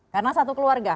karena satu keluarga